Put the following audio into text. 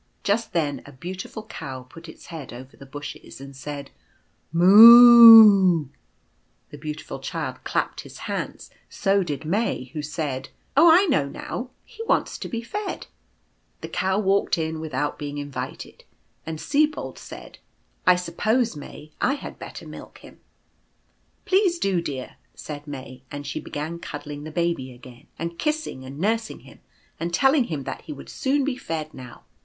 Just then a beautiful Cow put its head over the bushes, and said, " Moo 00 00." The Beautiful Child clapped his hands; so did May, who said : "Oh, I know now. He wants to be fed." The Cow walked in without being invited; and Sibold said : "I suppose, May, I had better milk him." " Please do, dear," said May ; and she began cuddling the Baby again, and kissing, and nursing him, and telling him that he would soon be fed now.